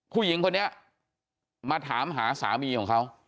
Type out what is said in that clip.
ผู้หญิงคนนี้มาถามหาสามีของเขา